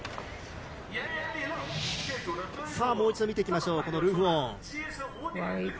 もう一度見ていきましょう。